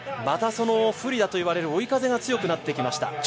また不利だと言われる追い風が強くなってきました。